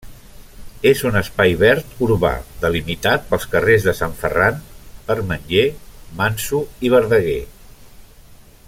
És un espai verd urbà, delimitat pels carrers de Sant Ferran, Permanyer, Manso i Verdaguer.